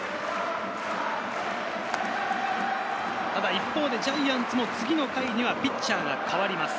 一方でジャイアンツも次の回にはピッチャーが代わります。